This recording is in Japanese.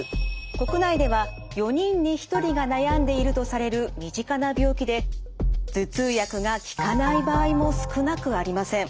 国内では４人に１人が悩んでいるとされる身近な病気で頭痛薬が効かない場合も少なくありません。